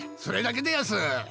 それだけでやす。